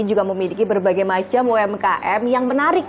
juga memiliki berbagai macam umkm yang menarik